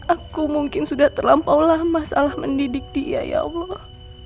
aku mungkin sudah terlampau lama salah mendidik dia ya allah